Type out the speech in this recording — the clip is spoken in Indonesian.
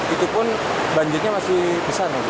itu pun banjirnya masih besar